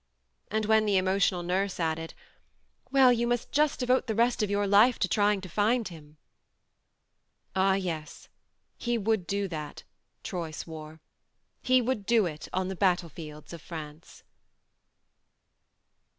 and when the emo tional nurse added :" Well, you must just devote the rest of your life to trying to find him." 138 THE MARNE Ah, yes, he would do that, Troy swore he would do it on the battle fields of France.